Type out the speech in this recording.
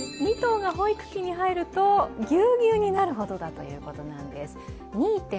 ２頭が保育器に入ると、ぎゅうぎゅうになるほどだということなんです。